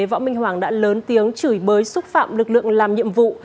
võ minh hoàng đã lớn tiếng chửi bới xúc phạm lực lượng làm nhiệm vụ